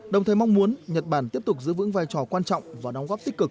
đồng thời mong muốn nhật bản tiếp tục giữ vững vai trò quan trọng và đóng góp tích cực